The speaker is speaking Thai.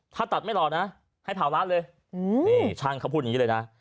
ถ้าตัดไม่หล่อนะให้เผาร้านเลยนี่ช่างเขาพูดอย่างนี้เลยนะ